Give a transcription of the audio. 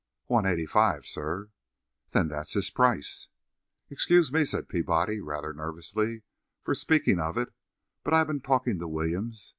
"One eighty five, sir." "Then that's his price." "Excuse me," said Peabody, rather nervously "for speaking of it, but I've been talking to Williams.